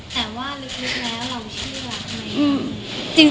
แต่ว่าลึกแล้วเราเชื่อไหม